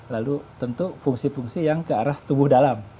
lalu tentu fungsi fungsi yang ke arah tubuh dalam